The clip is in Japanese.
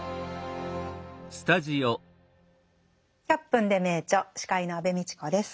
「１００分ｄｅ名著」司会の安部みちこです。